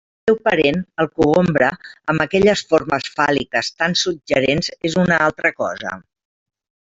El seu parent, el cogombre, amb aquelles formes fàl·liques tan suggerents és una altra cosa.